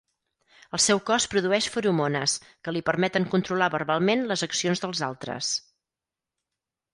El seu cos produeix feromones que li permeten controlar verbalment les accions dels altres.